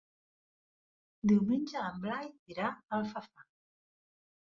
Diumenge en Blai irà a Alfafar.